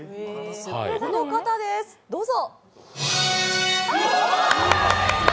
この方です、どうぞ。